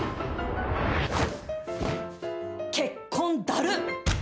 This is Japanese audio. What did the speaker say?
結婚だるっ！